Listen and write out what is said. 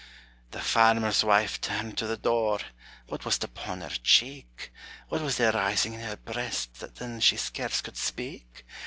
The farmer's wife turned to the door, What was't upon her cheek? What was there rising in her breast, That then she scarce could speak?